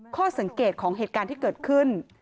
ข้อสังเกตของเหตุการณ์ที่เกิดขึ้น